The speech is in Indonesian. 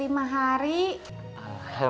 emang belum rejeki kita punya anak